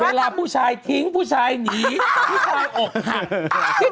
เวลาผู้ชายทิ้งผู้ชายหนีผู้ชายอกหัก